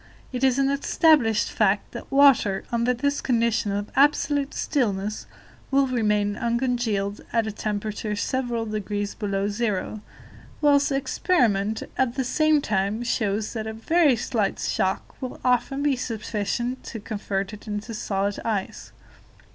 It is an established fact that water, under this condition of absolute stillness, will remain uncongealed at a temperature several degrees below zero, whilst experiment, at the same time, shows that a very slight shock will often be sufficient to convert it into solid ice.